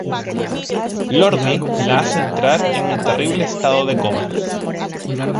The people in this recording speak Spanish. Lordi la hace entrar en un terrible estado de coma.